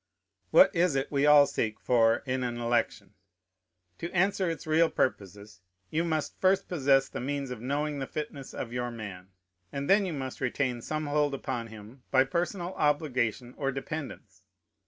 What is it we all seek for in an election? To answer its real purposes, you must first possess the means of knowing the fitness of your man; and then you must retain some hold upon him by personal obligation or dependence.